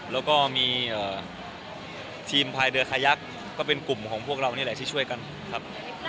แล้วก็มีทีมพายเรือคายักษ์ก็เป็นกลุ่มของพวกเรานี่แหละที่ช่วยกันครับ